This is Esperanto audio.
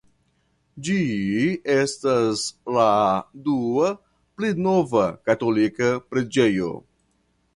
Ĝi estas la dua (pli nova) katolika preĝejo.